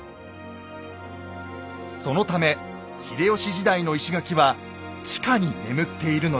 そのため秀吉時代の石垣は地下に眠っているのです。